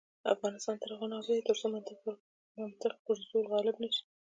افغانستان تر هغو نه ابادیږي، ترڅو منطق پر زور غالب نشي.